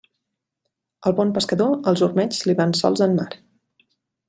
Al bon pescador, els ormeigs li van sols en mar.